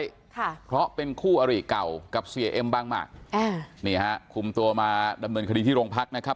ค่ะเพราะเป็นคู่อริเก่ากับเสียเอ็มบางหมากอ่านี่ฮะคุมตัวมาดำเนินคดีที่โรงพักนะครับ